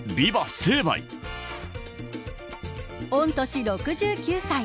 御年６９歳。